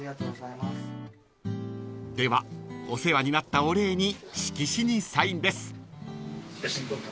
［ではお世話になったお礼に色紙にサインです］